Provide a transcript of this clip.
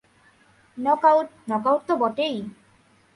Knockout, knockout তো বটেই।